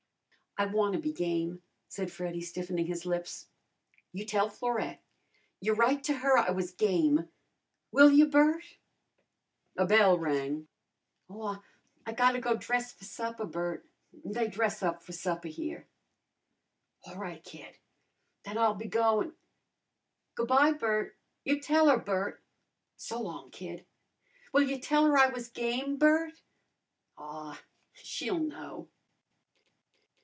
"I wanna be game!" said Freddy, stiffening his lips. "You tell Florette. You write to her I was game. Will ya, Bert?" A bell rang. "Aw, I gotta go dress for supper, Bert. They dress up for supper here." "A' right, kid. Then I'll be goin' " "Goo' by, Bert. You tell her, Bert." "So long, kid." "Will ya tell her I was game, Bert?" "Aw, she'll know!"